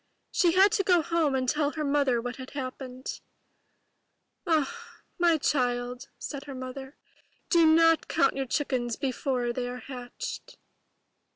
She had to go home and tell her Mother what had happened. ''Ah, my child,'* said the Mother, ''do not count your chickens before they are hatched."